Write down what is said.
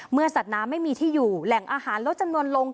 สัตว์น้ำไม่มีที่อยู่แหล่งอาหารลดจำนวนลง